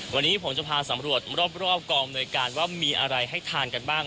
วันนี้ผมจะพาสำรวจรอบกองอำนวยการว่ามีอะไรให้ทานกันบ้าง